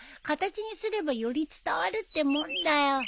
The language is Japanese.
形にすればより伝わるってもんだよ。